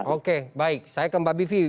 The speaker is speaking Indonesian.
oke baik saya ke mbak bivi